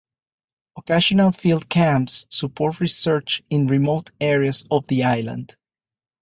Occasional field camps support research in remote areas of the island.